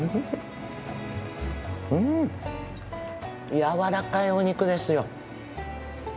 柔らかいお肉ですよ。